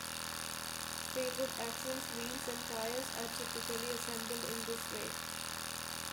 Railroad axles, wheels, and tires are typically assembled in this way.